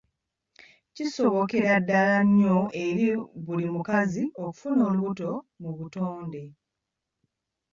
Kisobokera ddala nnyo eri buli mukazi okufuna olubuto mu butonde.